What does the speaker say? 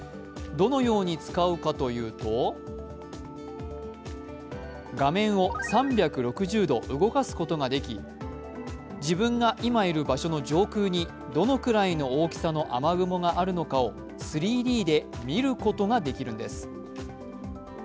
どのように使うかというと、画面を３６０度動かすことができ自分が今いる場所の上空にどのくらいの大きさの雨雲があるのかを３Ｄで見ることができるんです。